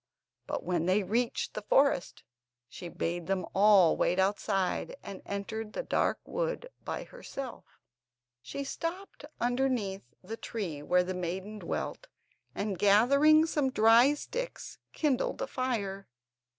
But when they reached the forest, she bade them all wait outside, and entered the dark wood by herself. She stopped underneath the tree where the maiden dwelt and, gathering some dry sticks, kindled a fire.